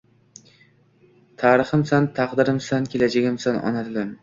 Tariximsan, taqdirimsan, kelajagimsan, ona tilim!